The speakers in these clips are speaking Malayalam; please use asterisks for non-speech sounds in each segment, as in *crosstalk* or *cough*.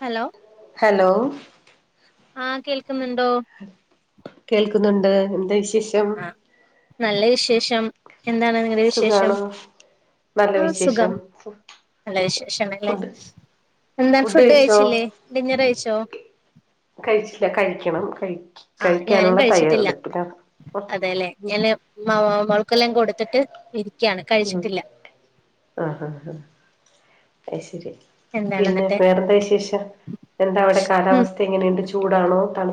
ഹലോ ഹലോ ആഹ് കേൾ കേൾക്കുന്നു ണ്ട് എന്ത വി- ആ നല്ല വിശേഷ് ഷം എന്താണ് നിങ്ങടെ വിശേഷം സുഖാണോ നല്ല ആ വിശേഷം സുഖം നല്ല വിശേഷം ആണ് ലേ ഫുഡ് എന്താണ് ഫുഡ് കഴിച്ചില്ലേ ഡിന്നർ കഴിച്ചോ? കഴിച്ചില്ല കഴിക്കണം കഴി ആഹ് ഞാനും കഴിക്കാനുള്ള കഴിച്ചിട്ടില്ല തയ്യാറെടുപ്പിലാണ് അതെല്ലേ എല്ലാ മോ മ്മോൾക്കെല്ലാം കൊടുത്തിട്ട് ഇരി ഉം ആഹ് ആഹ് ആ അയ്ശരി എന്താണ് പിന്നെ എന്നിട്ട് വേറെന്താ വിശേഷം? എന്താ അവിടെ കാലാവസ്ഥ എങ്ങനെയുണ്ട് ചൂ ചൂടാണോ തണു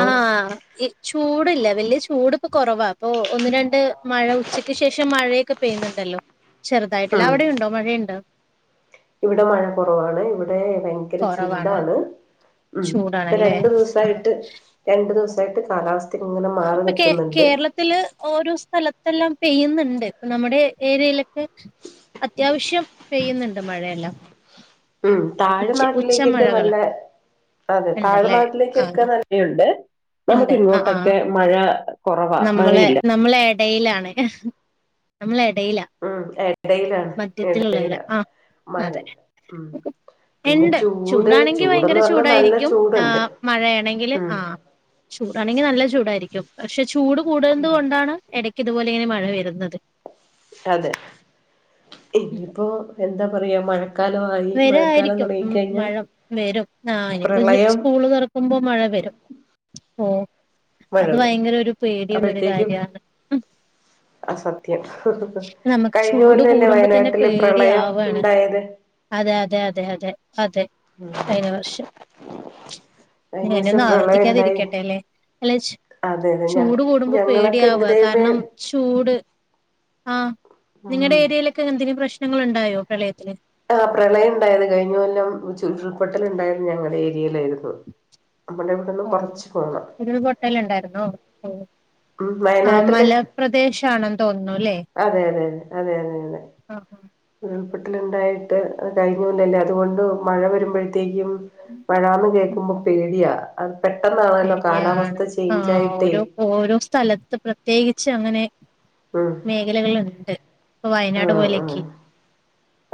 ആഹ് ഈ ചൂടില്ലേ വലിയ ചൂടിപ്പോ കുറവാ അപ്പൊ ഒന്ന് രണ്ട് മഴ ഉച്ചക്ക് ശേഷം മഴയൊക്കെ പെയ്യുന്നുണ്ടല്ലോ ചെറുതായിട്ടല്ല ഉം അവിടെയുണ്ടോ മഴയുണ്ടോ ഇവിടെ മഴ കുറവാണ് ഇവി ഏ ഭയങ്കര കുറവാണോ ചൂടാണ് ഉം ഇപ്പോ ചൂടാണല്ലേ രണ്ട് ആ ദിവസായിട്ട് രണ്ട് ദിവസ *unintelligible* കാലാവസ്ഥ ഇങ്ങനെ മാറി ഇപ്പൊ കേര നിക്കുന്നുണ്ട് കേരളത്തില് ഓരോ സ്ഥലത്തെല്ലാം പെയ്യുന്നുണ്ട് ഇപ്പ നമ്മുടെ ഏ ഏരിയയിലൊക്കെ അത്യാവശ്യം പെയ്യുന്നുണ്ട് മഴയെല്ലാം ഉം ഉച്ച താഴ്നാട്ടിലേക്കൊക്കെ നല്ല ഉച്ചമഴകള് അതെ ഉണ്ടല്ലേ താഴ്നാട്ടിലേക്കൊക്കെ ആഹ് നല്ല മഴയുണ്ട് നമുക്ക് ഉണ്ട് ആഹ് ആഹ് ഇങ്ങോട്ടൊക്കെ മഴ കുറവാ മഴയില്ല ടയിലാണ് നമ്മളേ ഉം ഇടയിലാണ് ഇടയില മധ്യത്തിലുള്ളവരാ ആഹ് മഴ അതെ ഉം പിന്നെ ഇണ്ട് ചൂട് ചൂടാണെങ്കിൽ ചൂടെന്ന് ഭയങ്കര പറഞ്ഞാ നല്ല ചൂടായിരിക്കും ആ ചൂടുണ്ട് മഴയാണെങ്കിൽ ഉം ആ ചൂടാണെങ്കിൽ നല്ല ചൂടായി രിക്കും പക്ഷേ ചൂട് കൂടുന്നത് കൊണ്ടാണ് എട ഇതുപോലെ ഇങ്ങനെ മഴ വരുന്നത് അതെ ഉം ഇനിയിപ്പോ എന്താ പറയാ മഴ വരായിരിക്കും ഉ മഴ വരും ആ ഇനിപ്പോ പ്രളയം സ്കൂള് തുറക്കുമ്പോ മഴ വരും ഓ അത് മഴവരും ഭയങ്കര ഒരു പേടിയുള്ളൊരു അപ്പോഴത്തേക്കും കാര്യാണ് ഉം ആ സത്യം നമുക്ക് കഴിഞ്ഞ ചൂട് കൊല്ലല്ലേ കൂടുമ്പോ തന്നെ വയനാട്ടില് പ്രളയം പേടിയാവാണ് ഉണ്ടായത് അതെ അതെ അതെ അതെ അതെ കഴിഞ്ഞ വർഷം കഴിഞ്ഞ വർഷം ഇങ്ങനൊന്നും പ്രളയം ഉണ്ടായി ആവർത്തിക്കാതിരിക്കട്ടെ അല്ലെ അല്ലെ അതെ അതെ ഞ ചൂട് കൂടുമ്പോ ഞങ്ങളൊക്കെ എന്റെ പേടിയാവ്വാ ദൈവമേ കാരണം ചൂട് ആ ഉം നിങ്ങളുടെ ഏരിയലൊക്കെ എന്തെങ്കിലും പ്രശ്ന പ്രശ്നങ്ങളുണ്ടായോ പ്രളയത്തില് ആഹ പ്രളയം ഉണ്ടായത് കഴിഞ്ഞ കൊല്ലം ഉരുൾപൊട്ടല് ഉണ്ടായത് ഞങ്ങളുടെ ഏരി *unintelligible* മുണ്ടയത്തു നിന്നും ഓ കൊറച്ചു പോണം ഉരുൾപൊട്ടല് ഉണ്ടായിരുന്നോ ഓ ഉ ആ വയനാട്ടില് മലപ്രദേശാണെന്ന് തോന്നുന്നു അല്ലേ അതെഅതെ അതെഅതെ ആ ആ ഉരുൾപെട്ടലുണ്ടായി കഴിഞ്ഞകൊല്ലല്ലേ അതുകൊണ്ട് മഴ വരുമ്പോഴത്തെ ക്കും മഴാന്ന് കേൾക്കുമ്പോ ഉം പേടിയാ അ പെട്ടെന്നാണല്ലോ കാലാവസ്ഥ ശരിയാണ് ചേയ്ഞ്ച് ആഹ് ആയിട്ടേ ഓരോ ഓരോ സ്ഥലത്ത് പ്രത്യേകിച്ച് അങ്ങനെ ഉം മേഖലകളുണ്ട് ആ വയനാട് ആ പോലെയൊക്കെ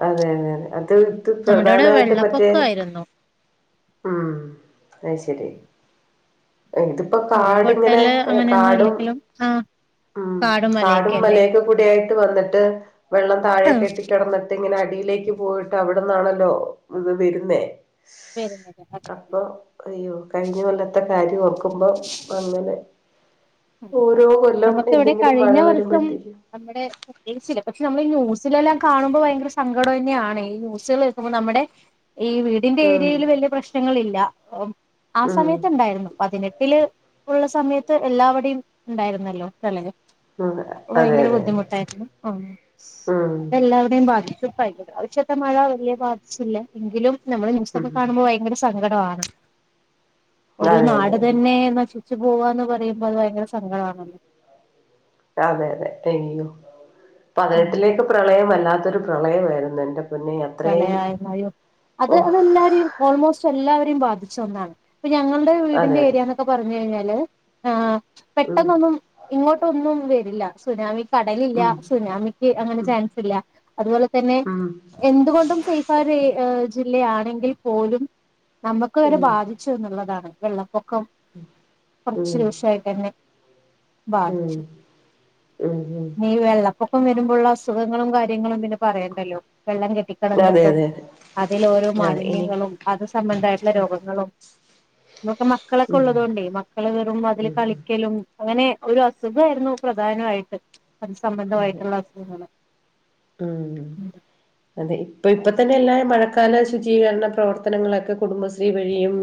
അതെ അതെ അതെ അത് ഇത് നമ്മുടെ അവിടെ പ്രധാനായിട്ട് മറ്റേ വെള്ളപ്പൊക്കമായിരുന്നു ഉം അയ്ശരി ഇതിപ്പോ കാടങ്ങിനെ ഉരുൾപൊട്ടല് അങ്ങനെയൊന്നും കാടും ഇല്ലെങ്കിലും ആഹ് ഉം കാടും മലയൊക്കെ കൂടിയായിട്ട് വന്നിട്ട് വെള്ളം താഴെ ആ കെട്ടിക്കിടന്നിട്ട് ഇങ്ങനെ അടിയിലേക്ക് പോയിട്ട് അവിടെ അവിടന്നാണല്ലോ ഇ വരുന്നേ വരുന്നത് അതെ അതെ അപ്പൊ അയ്യോ കഴിഞ്ഞ കൊല്ലത്തെ കാര്യം ഓർക്കുമ്പോ അങ്ങനെ അതെ ഓരോ കൊല്ലം നമുക്ക് ഇവിടെ എന്തെങ്കിലും മഴ കഴിഞ്ഞ വർഷം വരുമ്പോഴത്തേക്കും നമ്മടെ പ്രതേകിച്ചില്ല പക്ഷെ നമ്മൾ ന്യൂസിലെല്ലാം കാണുമ്പോൾ ഭയങ്കര സങ്കടം തന്നെയാണ് ഈ ന്യൂസുകൾ കേൾക്കുമ്പോൾ നമ്മുടെ ഈ വീടിന്റെ ഉം ഏരിയയിൽ വലിയ പ്രശ്നങ്ങളില്ല ഇല്ല ആ ഉം സമയത്ത് ഉണ്ടായിരുന്നു പതിനെട്ടില് ഉള്ള സമയത്ത് എല്ലാവ ഇണ്ടായിരുന്നല്ലോ ചെലര് ഉം അപ്പോ അതെ ഭയങ്കര അതെ അതെ ബുദ്ധിമുട്ടായ്രുന്നു ആ ഉം അത് എല്ലാവടെയും ബാധി പ്പായി പ്രാ ആവശ്യത്തെ മഴ വലിയ ബാധിച്ചില്ല എങ്കിലും നമ്മള് ന്യൂസൊക്കെ ഉം കാണുമ്പോ ഭയങ്കര സ അപകടാണ് ഒരു അതെ അതെ നാട് അതെ തന്നെ എന്നുച്ചു പോവുകാന്ന് പറയുമ്പോൾ സങ്കടമാണ്. അതെ അതെ അയ്യോ ഉം പതിനെട്ടിലേക്ക് പ്രളയം വല്ലാ പ്രളയമായിരുന്നു എൻ്റെ കളയായോ അത് ഓഹ് അതെല്ലാരും ഓൾമോസ്റ്റ് എല്ലാവരെയും ബാധിച്ച ഒന്നാണ് ഇപ്പ ഞങ്ങളുടെ അതെ വീടിന്റെ അതെ ഏരിയന്നൊക്കെ പറഞ്ഞു കഴിഞ്ഞാല് ഹല ആഹ ഉം പെട്ടെന്നൊന്നും ഇങ്ങോട്ടൊന്നും വെ സുനാമി കടലില്ല ഉം സുനാമിക്ക് അങ്ങനെ ഉം ചാൻസ് ഇല്ല അതുപോലെ തന്നെ ഉം എന്തുകൊണ്ടും സേഫ് ആയ ഏ ആ ജില്ലയാണെങ്കിൽ പോലും നമുക്ക് വരെ ഉം ബാധിച്ചു എന്നുള്ളതാണ്. വെള്ളം പൊക്കോ കൊറച്ച് ഉം ദിവസായിട്ടന്നെ ഉം ബാധിച്ചു. ഉം ഉം ഈ വെള്ളപ്പൊ ഇപ്പം വരുമ്പോഴുള്ള അസുഖങ്ങളും കാര്യങ്ങളും പിന്നെ പറയണ്ടല്ലോ. വെള്ളം അതെ കെട്ടിക്കിടന്നിട്ടും അതെ അതെ അതിൽ ഓരോ അതെ ഇനി മാലിന്യങ്ങളും അത് സംബന്ധമായിട്ടുള്ള രോഗങ്ങളും ഇമ്മക്ക് മക്കളൊക്കെ ഉം ഉള്ളത് കൊണ്ടേ മക്കള് വെറും അതില് ഉം ഉം കളിക്കലും അങ്ങനെ ഒരു അസുഖായിരുന്നു പ്രധാനമായിട്ട്. അത് അതെ സംബന്ധമായിട്ടുള്ള അസുഖങ്ങള് ഉം അതെ ഇപ്പൊ ഇപ്പ തന്നെയെല്ലാ മഴക്കാല ശുചീകരണ പ്രവർത്തനങ്ങളൊക്കെ കുടുംബശ്രീ വഴിയും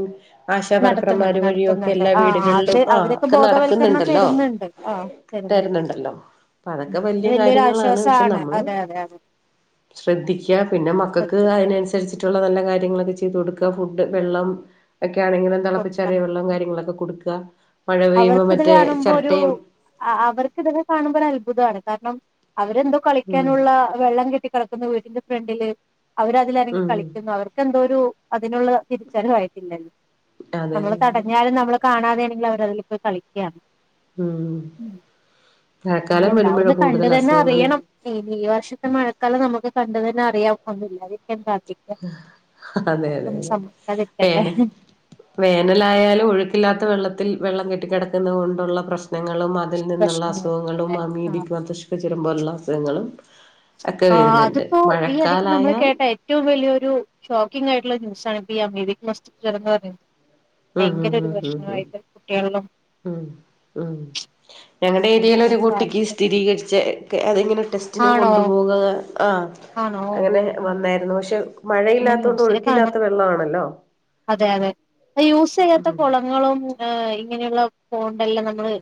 നടത്തുന്നുണ്ട് ആശാവർക്കർമാർ വഴിയും ഒക്കെ നടത്തുന്നുണ്ട് എല്ലാ ആ വീടുകളിലും അവര് ആ അവരൊക്കെ ഒക്കെ ബോധവൽക്കരണം നടക്കുന്നുണ്ടല്ലോ തരുന്നുണ്ട് ആ തരുന്നുണ്ട് തരുന്നുണ്ടല്ലോ ഉം അതൊക്കെ അത് വലിയ വലിയൊരു കാര്യങ്ങളാണ് പക്ഷെ ആശ്വാസമാണ് നമ്മൾ അതെ അതെ അതെ ശ്രദ്ധിക്കുക പിന്നെ മക്കൾക്ക് ശ്രദ്ധിക്കണം അതിനനുസരിച്ചിട്ടുള്ള നല്ല കാര്യ ചെയ്ത് കൊടുക്ക ഫുഡ്‌ വെള്ളം ഒ ക്കെ ആണെങ്കിലും തിളപ്പിച്ച് ആറിയ കൊടുക്കണം വെള്ളം കാര്യങ്ങളൊക്കെ കൊടുക്കുക. മഴ പെയ്യുമ്പോ അവർക്കിത് മറ്റേ കാണുമ്പോ ഒരു ചിരട്ടയും അവർക്കിതൊക്കെ കാണുമ്പോ ഒരു അത്ഭുതമാണ്. കാരണം അവരെന്തോ ഉം കളിക്കാനുള്ള വെള്ളം കെട്ടി കിടക്കുന്ന വീട്ട- പിന്നെ ഫ്രണ്ടില് അവരതിലറങ്ങി ഉം കളിക്കുന്നു അവർക്കെന്തോ ഒരു അതിനുള്ള തിരിച്ചറിവായിട്ടില്ലല്ലോ അതെ അതെ നമ്മള് അതെ തടഞ്ഞാലും നമ്മള- കാണാതെയാണെങ്കിലും അവരതില് കളിക്കയാണ് ഉം ഇനി മഴക്കാലം വരുമ്പോഴാ എന്താവന്ന് കണ്ടു കൂടുതൽ തന്നെ അസുഖങ്ങള് അറിയണം ഇനി ഈ വർഷത്തെ മഴക്കാലം നമുക്ക് കണ്ടു തന്നെ *unintelligible* അതെ അതൊന്നും അതെതെ സംഭവിക്കാതിരിക്കട്ടെ വേന വേനലായാലും ഒഴുക്കില്ലാത്ത വെള്ളത്തിൽ വെള്ളം കെട്ടിക്കിടക്കുന്നത് കൊണ്ടുള്ള പ്രശ്നം പ്രശ്നങ്ങളും അതിൽ നിന്നുള്ള അസുഖങ്ങളും പ്രശ്നങ്ങളല്ലേ അമീബിക് മസ്തിഷ്ക പോലുള്ള അസുഖങ്ങളും ഒക്കെ ആ വരുന്നുണ്ട് അതിപ്പോ ഈ ഇടയ്ക്ക് നമ്മൾ മഴക്കാലായാൽ കേട്ടാ ഏറ്റവും വലിയൊ- ഒരു ഷോക്കിഗ് ആയിട്ടുള്ള ന്യൂസാണ് ഇപ്പൊ ഈ അമീബിക് മസ്തിഷ്ക്ക ജ്വരം എന്ന് പറയുന്നത് ഉം ഉം ഭയങ്കര ഒരു ഉം ഉം ഉം പ്രശ്നമായിട്ട് കുട്ടികളിലും ഉം മ്... ഞങ്ങളുടെ ഏരിയയിലെ ഒരു കുട്ടിക്ക് ബാധിക്കും സ്ഥിരീകരിച് ചെ.. കെ... അതിങ്ങനെ ടെസ്റ്റിന് ആണോ കൊണ്ടുപോകാൻ ആ... ആണോ അങ്ങനെ ആഹ് ആഹ് വന്നായിരുന്നു ക്ഷെവു മഴയില്ലാതോണ്ട് ന്യൂസില് കാണാ ഒഴുക്കില്ലാത്ത വെള്ളാ ണല്ലോ... അതെ അതെ യൂസ് ചെയ്യാത്ത കുളങ്ങളും ഹ്... ആ... ഇങ്ങനെയുള്ള ഫോണെല്ലാം നമ്മള്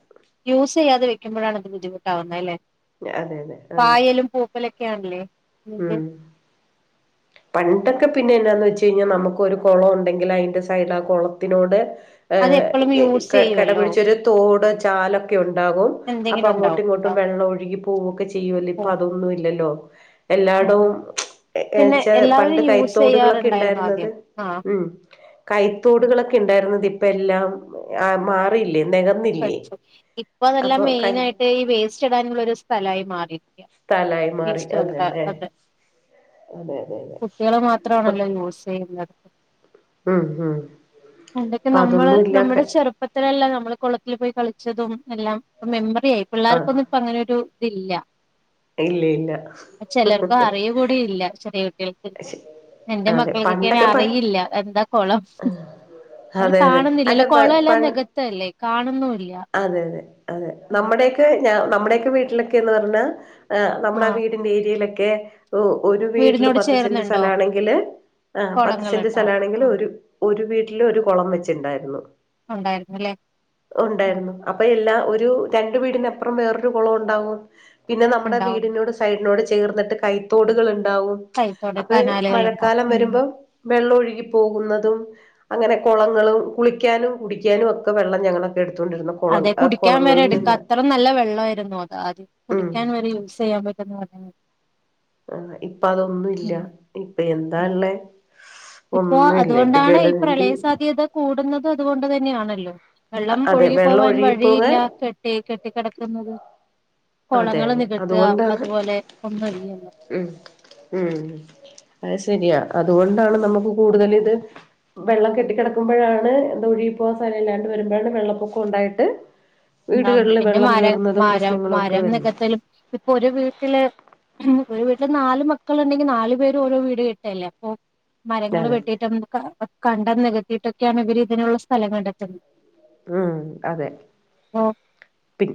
യൂസ് ചെയ്യാതെ വെക്കുമ്പോഴാണ് അത് ബുദ്ധിമുട്ടാവുന്നത് അല്ലെ നാ... അതെ.. തെ... അതെ വിളിക്കാറില്ലേ... മ്... പണ്ട് ഇതൊക്കെ പിന്നെ എന്നാന്ന് വെച്ച് കഴിഞ്ഞാൽ നമുക്ക് ഒരു കുളം ഉണ്ടെങ്കിൽ അതിന്റെ സൈഡ് ആ കുളത്തിനോട് ഏ... അത് എപ്പോഴും യൂസ് *inaudible* ചെയ്യുവല്ലോ കിടപിടിച്ചൊരു തോട് ചാലൊക്കെയുണ്ട് ഉണ്ടാകും. അപ്പൊ എന്തെങ്കിലും അങ്ങോട്ടും ഉണ്ടാവും ഇങ്ങോട്ടും ഉണ്ടാവും വെള്ളം ഒഴുകി പോവുവൊക്കെ ചെയ്യോല്ലോ, ഇപ്പൊ പോവും അതൊന്നും ഇല്ലല്ലോ ഉം എല്ലായിടവും, ഉം. പിന്നെ എന്ന് ചാ എല്ലാവരും പണ്ട് യൂസ് കൈത്തോടുകളൊക്കെ ചെയ്യാറുണ്ടായിരുന്നു ഉണ്ടായിരുന്നത്. ആദ്യം ആഹ് ഉം... കൈത്തോടുകളൊക്കെ ഉണ്ടായിരുന്നത് ഇപ്പൊ... ഇപ്പം എല്ലാം ആൾ മാറിയില്ലേ നികന്നില്ലേ *unintelligible* ഇപ്പോ നല്ല അപ്പൊ കൈ മെയിനായിട്ട് ഈ വേസ്റ്റ് ഇടാനുള്ള ഒരു സ്ഥലായി മാറിയിരിക്ണ്. സ്ഥലായി മാറി അത് വേസ്റ്റുണ്ട... തന്നെ അതെ അതെ അതെ അതെ കുട്ടികള് ഇപ്പൊ മാത്രമാണല്ലോ യൂസ് ചെയ്യുന്നത്. ഉം ഉം എന്തൊക്കെ അപ്പൊ നമ്മള് അതൊന്നും ഇല്ല നമ്മുടെ ചെറുപ്പത്തിലല്ല നമ്മൾ കുളത്തിൽ പോയി കളിച്ചതും എല്ലാം മെമ്പർ അതെ ആ പിള്ളേക്കൊന്നും ഇപ്പ അങ്ങനൊ ഒരു ത് ഇല്ല ഇല്ല ഇല്ല ചെലർക്ക്‌ അറിയുകൂടിയില്ല. ചെറിയ കുട്ടികൾക്ക് ശ എന്റെ അതെ മക്കൾക്കൊക്കെ പണ്ടൊക്കെ പ അറിയില്ല. എന്താ കൊളം ഹും അവര് അതെ അതെ അല്ല കാണുന്നില്ല പ പ കുളംല്ലാം നികത്തല്ലേ... കാണുന്നൂല്ല അതെ അതെ അതെ... നമ്മുടെയൊക്കെ ഞ നമ്മുടെക്കെ വീട്ടിലൊക്കെ എന്ന് പറഞ്ഞാ ആ നമ്മുടെ ആഹ് വീടിന്റെ ഏരിയയിലക്കെ ക്കെ ഓ ഒരു വീട്ടില് വീടിനോട് പത്ത് സെന്റ് ചേർന്നുണ്ടോ സ്ഥലാ ണെങ്കില് ആ പത്ത് സെന്റ് കുളങ്ങളുണ്ടോ സ്ഥല ആണെങ്കിൽ ആഹ് ഒരു ഒരു വീട്ടില് ഒരു കൊ ളം വെച്ചുണ്ടായിരുന്നു. ഉണ്ടായിരുന്നുല്ലേ ഒന്ന് ആഹ് ഉണ്ടായിരുന്നു. അപ്പൊ എല്ലാ ഒരു രണ്ടു വീട് അപ്പൊറം വേറൊരു കുളം ഉണ്ടാവും പിന്നെ നമ്മുടെ ഉണ്ടാവും വീടിനോട് സൈഡിനോട് ചേർ ചേർന്നിട്ട് കൈത്തോടുകൾ ഇ ണ്ടാവും കൈത്തോട് അപ്പൊ കനാലുകൾ ഉണ്ടാവും മഴക്കാലം ഉം വരുമ്പോ വെള്ളൊ പോകുന്നതും അങ്ങനെ കുളങ്ങളും കുളിക്കാനും കുടിക്കാനും ഒക്കെ വെള്ളം ഞങ്ങളെ അതെ കുടിക്കാൻ വരെ എടുക്കാ അത്ര നല്ല വെള്ളായിരുന്നു അത് ആദ്യം ഉം കുടിക്കാൻ വരെ യൂസെയ്യാൻ പ *unintelligible* ആതെ ഇപ്പ അതൊന്നു ഇല്ല ഇപ്പ എന്താ ഇല്ല ഇള്ളേ ഇപ്പോ അതുകൊണ്ടാണ് ഈ പ്രളയ സാധ്യത കൂടുന്നതും അതുകൊണ്ട് അത് തന്നെയാണല്ലോ വെള്ളം അതെ ഒഴുകി വെള്ളം പോവാൻ വഴിയില്ല ഒഴുകിപ്പോകാൻ കെട്ടി കെ ട്ടി കിടക്കുന്നത് അതെ അതെ അതുകൊണ്ടാണ് ഒന്നുമില്ലല്ലോ ഉം ഉം അത് ശരിയാ അതുകൊ ണ്ടാണ് നമുക്ക് കൂടുതൽ ഇത് വെള്ളം കെട്ടിക്കിടക്കുമ്പഴാണ് എന്താ ഒഴുകി പോവാ സ്ഥലം ഇല്ലാണ്ട് വരുമ്പോഴാണ് വെള്ളപ്പൊക്കം ഉണ്ടായിട്ട് വീടുകളില് വെള്ളം കേറുന്നതും പ്രശ്നങ്ങളും ഒക്കെ രം വരുന്നത് നികത്തലും ഇപ്പൊ ഒരു വീട്ട്ല് ഒരു വീട്ടില് നാല് മക്കള്ണ്ടെങ്കി നാലു പേരും ഓരോ വീട് കെട്ടല്ലെ അപ്പോ മരങ്ങള് അതെ വെട്ടീട്ടാ *unintelligible* ക്ക ആഹ് കണ്ടം നികത്തിട്ടൊക്ക്യാണ് ഇവര് ഇതിനുള്ള സ്ഥലം കണ്ടെത്ത്ന്നത് ഉം അതെ ഓ പി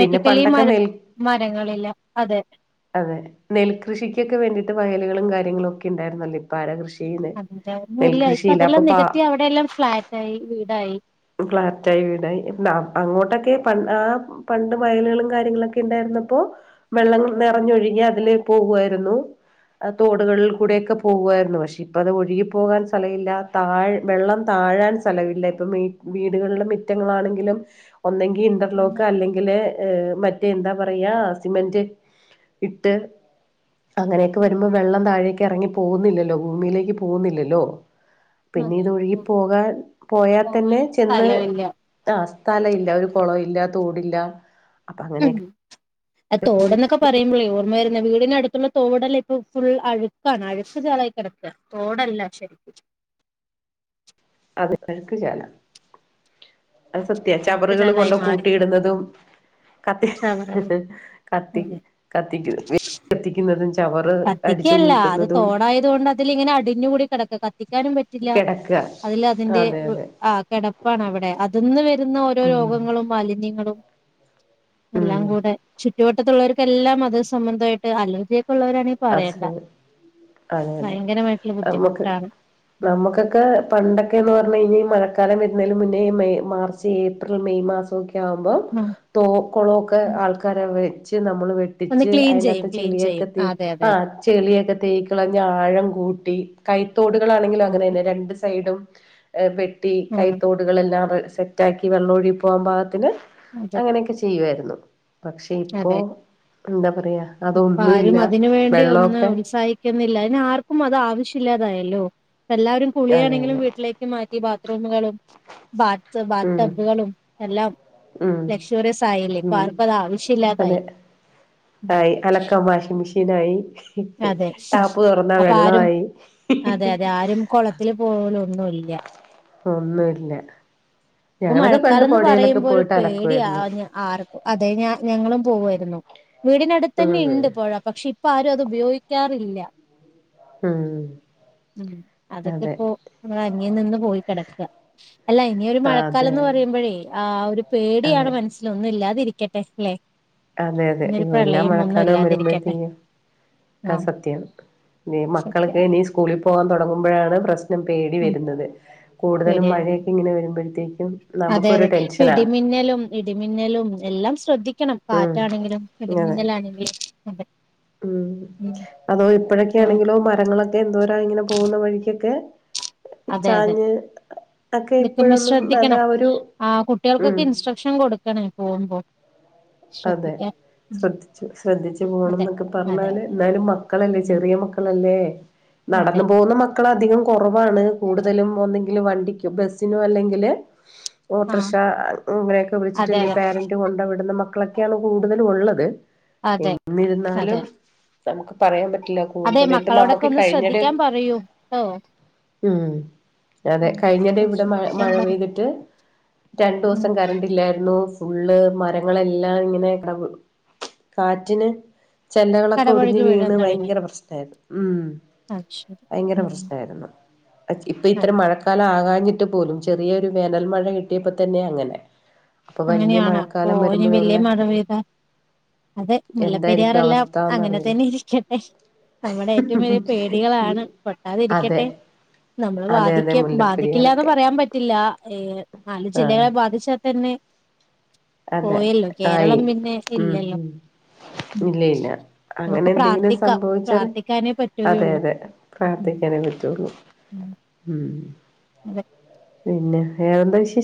പിന്നെ പണ്ടൊക്കെ മര നെൽ മരങ്ങളില്ല അതെ അതെ നെൽകൃഷിക്ക്യൊക്കെ വേണ്ടീട്ട് വയലുകളും കാര്യങ്ങളും ഒക്കെ ഉണ്ടായിരുന്നല്ലോ ഇപ്പ ആരാ കൃഷി ചെയ്യുന്നേ അത *unintelligible* ഒന്നുംല്ല ഇപ്പം നെൽകൃഷിയില്ല അപ്പൊ അതെല്ലാം പ നികത്തി അവിടെ എല്ലാം ഫ്ളാറ്റായി വീടായി ഫ്ളാറ്റായി വീടായി അങ്ങോട്ടൊക്കെ പൻ ആ പണ്ട് വയലുകളും കാര്യങ്ങളൊക്കെ ഇണ്ടായിരുന്നപ്പോ വെള്ളം നെറഞ്ഞൊഴുകിയാ അതിലേ പോകുവായിരുന്നു ആ തോടുകളിൽ കൂടെക്കെ പോകുവാ യിരുന്നു പഷേ ഇപ്പത് അത് ഒഴുകി പോകാൻ സ്ഥലവില്ലാ താഴ് വെള്ളം താഴാൻ സ്ഥലവില്ല ഇപ്പം വീടുകളില് മിറ്റങ്ങളാണെ ങ്കിലും ഒന്നെങ്കി ഇന്റർലോക്ക് അല്ലെങ്കില് ഏഹ് മറ്റേ എന്താ പറയാ സിമന്റ് ഇട്ട് അങ്ങനെയൊക്കെ വരുമ്പൊ വെള്ളം താഴേക്ക് ഇറങ്ങി പോവുന്നില്ലല്ലോ ഭൂമിയിലേക്ക് പോവുന്നില്ലല്ലോ പിന്നെ അതെ ഇത് ഒഴുകി പോകാൻ പോവാൻ പോയാതന്നെ ഒരു ഇന്ന് സ്ഥലമില്ല ആ സ്ഥല ഇല്ല ഒരു പോ കുളവില്ല തോടില്ല അപ്പ ഉം അങ്ങനെയൊക്കെ ആ തോടെന്നൊക്കെ പറയുമ്പയെ മഒ ഓർമ്മ വരുന്ന വീടിനടുത്തുള്ള തോടല്ല ഇപ്പൊ ഫുൾ അഴുക്കാണ് അഴുക്ക് ചാലായി കിടക്ക തോടല്ല പശേ അതെ അഴുക്ക് ചാല അത് സത്യ അഴുക്ക് ചറുകൾ കൊണ്ട ചാലായി മാറി കൂട്ടിയിടുന്നതും കത്തി ചവറ കത്തി അതെ കത്തിക്ക്ന്നതും കത്തിക്ക്യല്ല അത് തോടായതോണ്ട് അതിലിങ്ങനെ അടിഞ്ഞ് കൂടി കെടക്ക എത്തിക്കാനും പറ്റില്ല കിടക്കുക അതിൽ അതിന്റെ അതെ അതെ ആ കിടപ്പാണ് അവിടെ അത്ന്ന് വരുന്ന ഓരോ ഉം രോഗങ്ങളും മാലിന്യങ്ങളും ഉം എല്ലാം കൂടെ ച്ചു *unintelligible* ട്ടത്തുള്ളവർക്കെല്ലാം അത് സമ്മന്തായിട്ട് അലർജിയൊക്കെ ഉള്ളവരാ അത് സെ അതെ അതെ ഭയങ്കരമായിട്ടുള്ള നമ്മക്ക് ബുദ്ധിമുട്ടാണ് ഉം നമ്മക്കൊക്കെ ഏ പണ്ടൊക്കേന്ന് പറഞ് കഴിഞ്ഞ മഴക്കാലം വരു ഇന്നേലും മുന്നേ മെയ് മാർച്ച് ഏപ്രിൽ മെയ് മാസോക്കെ ങ്ങനാവുമ്പോ ഉം. തോ കുളോക്കെ ഉം. ആൾക്കാരെ വേ നമ്മള് ഒന്ന് വെട്ടിച്ച് ക്ലീൻ ചെയ്യും അതിനകത്ത് ക്ലീൻ ചെയ്യും ചെളിയൊക്കെീ അതെ അതെ ആ് അതെ ചെളിയൊക്കെ തേയ്ക്കളഞ്ഞ ആഴം കൂട്ടി കൈ തോടുകളാണെങ്കിലും അങ്ങനെ കൂട്ടി തന്നെ രണ്ട് സൈഡും ആ വെട്ടി ട്ടി ഉം കൈത്തോടുകളെല്ലാ സെറ്റ്ആക്കി വെള്ളം ഒഴുകി പോവാൻ പാകത്തിന് അതെ അങ്ങനെയൊക്കെ ചെയ്യുവായിരുന്നു ഉ പക്ഷെ ഇപ്പോൾ അതെ എന്താ പ അയാ അതൊന്നുംല്ല ഒന്നും ഉത്സാഹിക്കുന്നില്ല അതിനെ ആർക്കും ആവശ്യ ഇല്ലാതായല്ലോ എല്ലാവരും അതെ കുളിയാണെങ്കിലും അതെ വീട്ടിലേക്ക് മാറ്റി ബാത്റൂമുകളും ബാത്ത് ബാത്ത് ഉം ടബ്ബുകളും എല്ലാം ഉം ലക്ഷ്വറീസ് ആയില്ലേ ഇപ്പൊ ഉം ആർക്കും അതെ ആവശ്യല്ലാതായി ആയി അലക്കാൻ വാഷിംഗ് മി മിഷീനായി അതെ ടാപ്പ് തുറന്ന അപ്പൊ ആരും വെള്ളമായി അതെ അതെ ആരും കുളത്തില് പോകലൊന്നുമില്ല ഒന്നുല്ല ഇപ്പ മഴക്കാലന്ന് പറയുമ്പോ ഒരു പേടി അലക്കുവായിരുന്നു ആർഞ്ഞ ആർക്കും അതെ ഞാൻ ഞങ്ങളും പോവായിരുന്നു വീടിനടുത്ത് തന്നെ ഉം ഇണ്ട് പോഴ പക്ഷെ ഇപ്പൊ ആര് അ അത് ഉപയോഗിക്കാറില്ല ഉം ഉം അതൊക്കെ അതെ ഇപ്പോ *unintelligible* അന്യനിന്ന് പോയി കിടക്ക അല്ല ഇനിയൊരു മഴക്കാലം അതെ എന്ന് പറയുമ്പോഴേ ആ ഒരു അതെ പേടിയാണ് മനസ്സിലൊന്നുല്ലാ ത്‌രിക്കട്ടെ ല്ലെ അതെ അതെ ഇങ്ങ് എല്ലാ മഴക്കാലവും ഇല്ലാതിരിക്കട്ടെ വരുമ്പോഴത്തെയ്യും അത് ആഹ് സത്യാണ് നി മക്കൾക്ക് സത്യാണ് ഇനി സ് സ്കൂളിൽ പോകാൻ തുടുമ്പോഴാണ് പ്രശ് *unintelligible* പേടി ഉം വരുന്നത് കൂടുതലും പേടിയാണ് മഴയൊക്കെങ്ങനെ വര് *unintelligible* അതെ അതെ ഇടിമിന്നലും ഇടിമിന്നലും എല്ലാം ശ്രദ്ധിക്കണം ഉം കാറ്റാണെങ്കിലും അതെ ഇടിമിന്നലാണെങ്കിലും *unintelligible* ഉം ഉം അതോ ഇപ്പഴൊക്കെയാണെങ്കിലോ മരങ്ങളൊക്കെ എന്തോര ഇങ്ങനെ പോകുന്ന വഴിക്ക്ക്കൊക്കെ അതെ അതെ ഒക്കെ നിക്കുമ്പോ ഇപ്പോഴൊന്നും അത് ശ്രദ്ധിക്കണം ആ ഒരു ആ ഉം കുട്ടികൾക്കൊക്കെ ഇൻസ്ട്രക്ഷൻ കൊടുക്കണേ പോവുമ്പോ അതെ ശ്രദ്ധിച്ചു ശ്രദ്ധിച്ചു പോണം അതെ എന്നൊക്കെ അതെ പറഞ്ഞാല് അതെ എന്നാലും മക്കളല്ലേ ഉം ചെറിയ മക്കളല്ലേ നടന്നു അതെ പോകുന്ന മക്കള അധികം കുറവാണ് കൂടുതലും ഒന്ന *unintelligible* വണ്ടിക്ക് ബസിനോ അല്ലെങ്കില് ആ ഓട്ടറിഷ ഇങ്ങനെയൊക്കെ അതെ വിളിച്ചിട്ടില്ലേ അതെ പാരന്റ് കൊണ്ടാവിടുന്ന മ മക്കളക്കെയാണ് കൂടുതല് ഒള്ളത് അതെ എന്നിരുന്നാലും അതെ നമുക്ക് പറയാൻ പറ്റും *unintelligible* അതെ കൂടുതല് ഇപ്പ മക്കളോടൊക്കെ നമുക്ക് ഒന്ന് കഴിഞ്ഞ്ടെ ശ്രദ്ധിക്കാൻ പറയൂ ട്ടോ ഉം ആ അതെ കഴിഞ്ഞടെ ഇവിടെ മഴ ശ്രദ്ധിക്കാൻ മഴ പറയൂ പെയ്തിട്ട് ഉം രണ്ടോസം കറണ്ട്ല്ലായിരുന്നു ഫുള്ള് മരങ്ങളെല്ലേ എല്ലാം ഇങ്ങനെട കാറ്റിന് ചെല്ലകളൊക്കെ ഒടിഞ്ഞ് കടപുഴകി വീഴാൻ വീണ് തുടങ്ങി ഭയങ്കര പ്രശ്നമായിരുന്നു ഉം അത് ശരി ഭയങ്കര ഉം പ്രശ്നമായിരുന്നു ഇപ്പൊ ഇത്രരം അതെ മഴക്കാലം ആകാഞ്ഞി പോലും ചെറിയൊരു വേനൽമഴ കിട്ടിയപ്പോ തന്നെ അങ്ങനെ അപ്പൊ വലിയ അങ്ങനെയാണ് അപ്പൊ മഴക്കാലം ഇ വലിയ വരുമ്പോഴുള്ള മഴ പെയ്താ അതെ മുല്ലപ്പെെരിയാറെ എന്തായിരിക്കും എല്ലാം അങ്ങനെ അവസ്ഥന്നറിയില്ല തന്നെ ഇരിക്കട്ടെ നമ്മുടെ ഏറ്റവും വലിയ പേടികളാണ് പൊട്ടാതെ അതെ ഇരിക്കട്ടെ നമ്മള് അതെ അതെ ബാധിക്ക ബാധിക്കില്ലന്ന് മുല്ലപ്പെരിയാറൊക്കെ പറയാൻ പറ്റില്ല ഏ നാല് ആഹ് ജില്ലകളെ ബാധിച്ചാൽ തന്നെ അതെ പോയല്ലോ ആയി കേരളം പിന്നെ ഉം ഇല്ലല്ലോ ഉം ഇല്ലയില്ല അങ്ങനെ നമുക്ക് എന്തെങ്കിലും പ്രാർത്ഥിക്കാം സംഭവിച്ചാല് പ്രാർത്ഥിക്കാനേ അതെ പറ്റുകയുള്ളൂ അതെ ഉം പ്രാർത്ഥിക്കാനേ പറ്റുള്ളൂ ഉം ഉ അതെ പിന്നെ വേറെന്താ വിശേഷം